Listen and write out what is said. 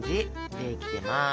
できてます。